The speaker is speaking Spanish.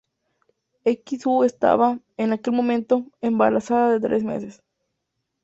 Xu estaba, en aquel momento, embarazada de tres meses.